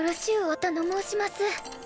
おたの申します。